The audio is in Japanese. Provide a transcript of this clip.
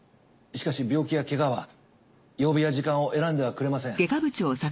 しかし病気やけがは曜日や時間を選んではくれません。